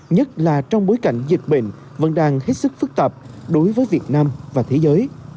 nhất là trong bối cảnh dịch bệnh vẫn đang hết sức phức tạp đối với việt nam và thế giới